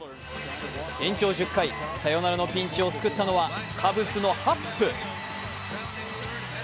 延長１０回、サヨナラのピンチを救ったのはカブスのハップ。